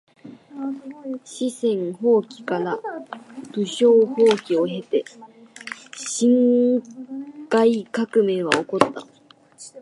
四川蜂起から武昌蜂起を経て辛亥革命は起こった。